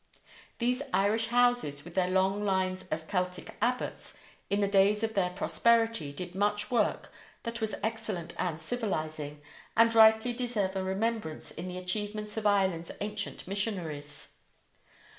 These Irish houses, with their long lines of Celtic abbots, in the days of their prosperity did much work that was excellent and civilizing, and rightly deserve a remembrance in the achievements of Ireland's ancient missionaries.